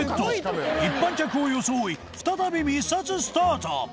一般客を装い再び密撮スタート